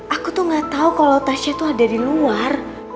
aku tuh gak tau kalau tasnya tuh ada di luar